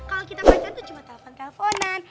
kalau kita macem tuh cuma telfon telefonan